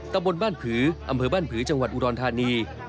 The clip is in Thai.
ตำบลบ้านผืออำเภอบ้านผือจังหวัดอุดรธานี